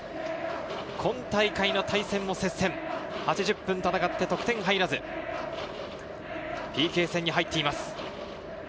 今大会の対戦も接戦、８０分戦って得点入らず、ＰＫ戦に入っています。